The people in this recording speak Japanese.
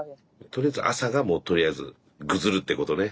とりあえず朝がもうとりあえずぐずるってことね。